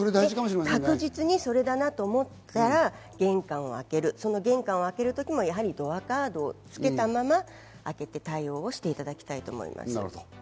確実にそれだなと思ったら玄関を開ける、その玄関を開けるときもドアガードを付けたまま開けて対応していただきたいと思います。